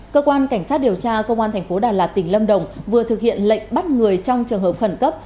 cơ quan cảnh sát điều tra công an thành phố đà lạt tỉnh lâm đồng vừa thực hiện lệnh bắt người trong trường hợp khẩn cấp